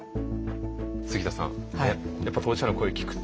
杉田さんやっぱ当事者の声を聞くと。